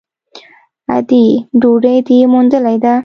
_ادې ! ډوډۍ دې موندلې ده؟